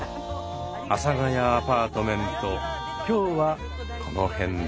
「阿佐ヶ谷アパートメント」今日はこの辺で。